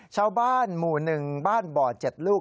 ชาวบ้านหมู่หนึ่งบ้านบ่อเจ็ดลูก